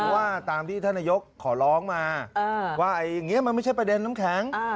ว่าตามที่ท่านนายกขอร้องมาว่าอย่างนี้มันไม่ใช่ประเด็นน้ำแข็ง